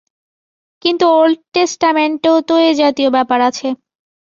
কিন্তু ওল্ড টেষ্টামেণ্টেও তো এ-জাতীয় ব্যাপার আছে।